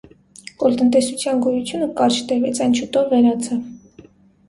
Կոլտնտեսության գոյությունը կարճ տևեց, այն շուտով վերացավ։